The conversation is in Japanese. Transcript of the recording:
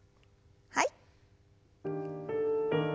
はい。